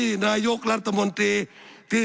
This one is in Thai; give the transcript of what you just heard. สับขาหลอกกันไปสับขาหลอกกันไป